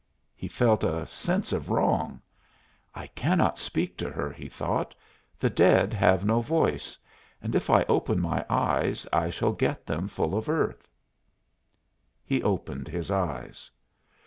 He felt a sense of wrong. "I cannot speak to her," he thought; "the dead have no voice; and if I open my eyes I shall get them full of earth." He opened his eyes.